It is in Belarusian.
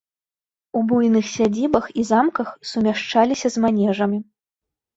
У буйных сядзібах і замках сумяшчаліся з манежамі.